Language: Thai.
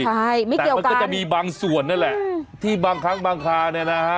ใช่ไม่เกี่ยวมันก็จะมีบางส่วนนั่นแหละที่บางครั้งบางคราเนี่ยนะฮะ